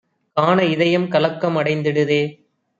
காண இதயம் கலக்கம் அடைந்திடுதே!